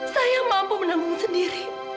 saya mampu menanggung sendiri